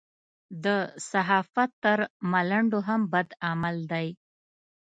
د صحافت تر ملنډو هم بد عمل دی.